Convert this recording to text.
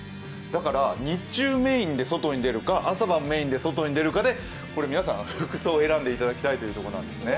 だから、日中メインで外に出るか朝晩メインで外に出るかで皆さん、服装を選んでいただきたいということなんです。